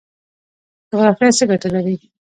جغرافیه څه ګټه لري؟